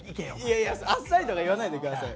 いやいやあっさりとか言わないで下さいよ。